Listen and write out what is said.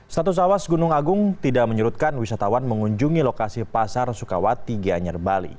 status awas gunung agung tidak menyerutkan wisatawan mengunjungi lokasi pasar sukawati gianyar bali